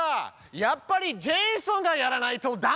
やっぱりジェイソンがやらないとダメです！